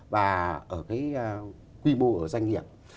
và ở cái quy mô ở doanh nghiệp